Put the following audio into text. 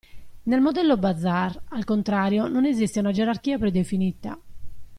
Nel modello "bazar", al contrario, non esiste una gerarchia predefinita.